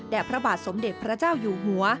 และพระบาทสมเด็จพระเจ้าอยู่หัว